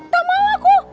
tak mau aku